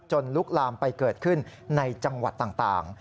ลุกลามไปเกิดขึ้นในจังหวัดต่าง